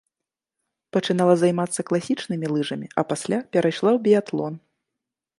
Пачынала займацца класічнымі лыжамі, а пасля перайшла ў біятлон.